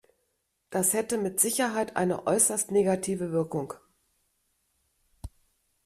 Das hätte mit Sicherheit eine äußerst negative Wirkung.